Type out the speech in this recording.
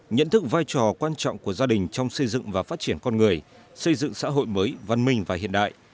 nhận thức vai trò quan trọng của gia đình trong xây dựng và phát triển con người xây dựng xã hội mới văn minh và hiện đại